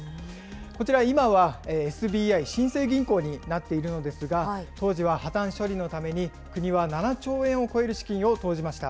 こちら、今はＳＢＩ新生銀行になっているのですが、当時は破綻処理のために、国は７兆円を超える資金を投じました。